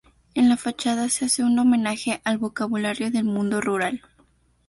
En la fachada se hace un homenaje al vocabulario del mundo rural.